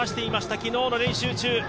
昨日の練習中。